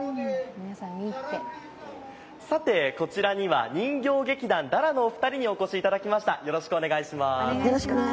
さて、こちらには人形劇団ＤＡＬＡのお二人にお越しいただきました。